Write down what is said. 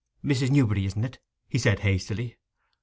'Mrs. Newberry, isn't it?' he said hastily.